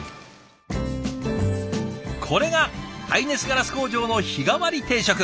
これが耐熱ガラス工場の日替わり定食。